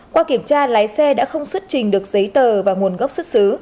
qua kiểm tra lái xe đã không xuất trình được giấy tờ và nguồn gốc xuất xứ